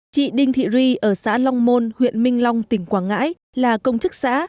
chị đinh thị ri ở xã long môn huyện minh long tỉnh quảng ngãi là công chức xã